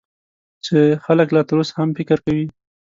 چې خلک لا تر اوسه هم فکر کوي .